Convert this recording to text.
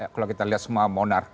kalau kita lihat semua monar